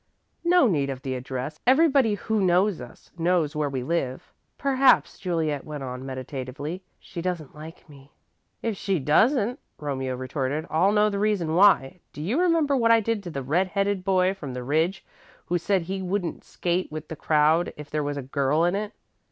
"No need of the address. Everybody who knows us knows where we live." "Perhaps," Juliet went on, meditatively, "she doesn't like me." "If she doesn't," Romeo retorted, "I'll know the reason why. Do you remember what I did to the red headed boy from the Ridge who said he wouldn't skate with the crowd if there was a girl in it?"